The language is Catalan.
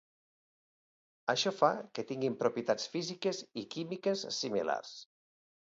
Això fa que tinguin propietats físiques i químiques similars.